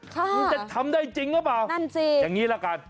ค่ะนี่จะทำได้จริงหรือเปล่าอย่างนี้ล่ะกันนั่นจริง